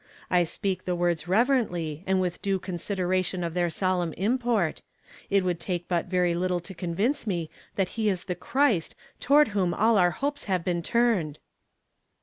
I speak the words reverently and with due con sideration of their solemn import; it would take 'at very little to convince me that he is the Christ toward whom all our hopes have been turned."